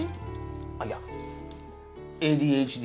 あっいやＡＤＨＤ